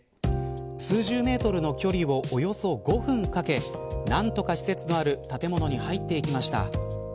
数十メートルの距離をおよそ５分かけ何とか施設のある建物に入っていきました。